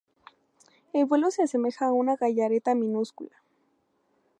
El vuelo se asemeja a una gallareta minúscula.